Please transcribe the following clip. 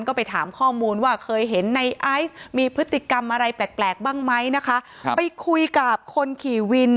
ก็ไปถามข้อมูลว่าเคยเห็นในไอซ์มีพฤติกรรมอะไรแปลกแปลกบ้างไหมนะคะครับไปคุยกับคนขี่วิน